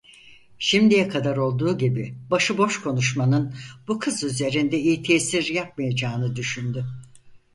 Şimdiye kadar olduğu gibi başıboş konuşmanın bu kız üzerinde iyi tesir yapmayacağını düşündü.